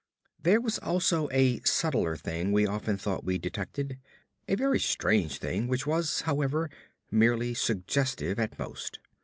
There was also a subtler thing we often thought we detected a very strange thing which was, however, merely suggestive at most.